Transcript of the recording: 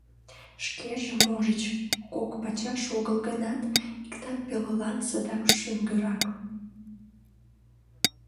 Шкеже, можыч, кок пачаш огыл гынат, иктат пелылан садак шоҥгырак.